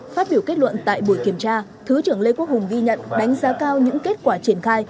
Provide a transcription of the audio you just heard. phát biểu kết luận tại buổi kiểm tra thứ trưởng lê quốc hùng ghi nhận đánh giá cao những kết quả triển khai